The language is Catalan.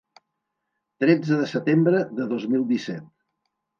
Tretze de setembre de dos mil disset.